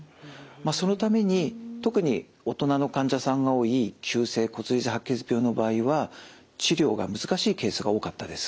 そのために特に大人の患者さんが多い急性骨髄性白血病の場合は治療が難しいケースが多かったです。